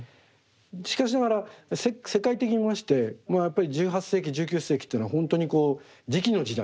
しかしながら世界的に見ましてやっぱり１８世紀１９世紀っていうのは本当に磁器の時代。